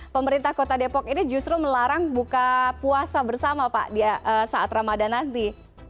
pemerintah kota depok ini justru melarang buka puasa bersama pak saat ramadan nanti